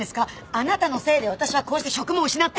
あなたのせいで私はこうして職も失って！